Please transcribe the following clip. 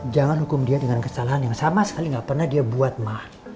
jangan hukum dia dengan kesalahan yang sama sekali nggak pernah dia buat mah